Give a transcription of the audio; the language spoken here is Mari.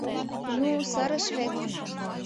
Ну, сырыш вет.